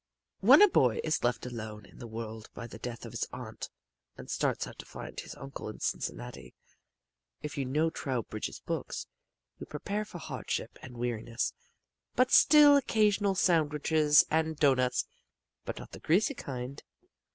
When a boy is left alone in the world by the death of his aunt and starts out to find his uncle in Cincinnati if you know Trowbridge's books you prepare for hardship and weariness, but still occasional sandwiches and doughnuts (but not the greasy kind).